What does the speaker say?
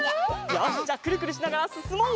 よしじゃくるくるしながらすすもう！